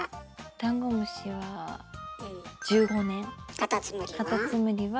ダンゴムシはカタツムリは？